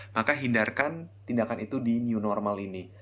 maka hindarkan tindakan itu di new normal ini